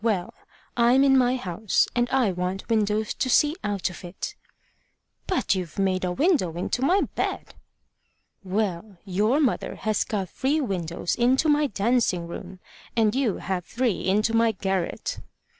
Well, I'm in my house, and I want windows to see out of it." "But you've made a window into my bed." "Well, your mother has got three windows into my dancing room, and you have three into my garret."